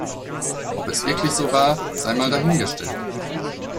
Ob es wirklich so war, sei mal dahingestellt.